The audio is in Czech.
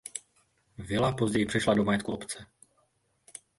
Vila později přešla do majetku obce.